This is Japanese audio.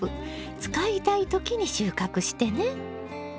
使いたいときに収穫してね！